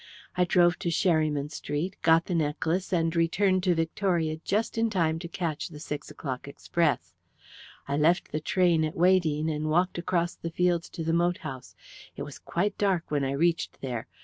I drove to Sherryman Street, got the necklace, and returned to Victoria just in time to catch the six o'clock express. I left the train at Weydene, and walked across the fields to the moat house. It was quite dark when I reached there.